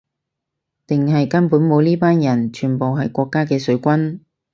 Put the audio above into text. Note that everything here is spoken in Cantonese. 定係根本冇呢班人，全部係國家嘅水軍